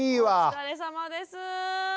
お疲れさまです。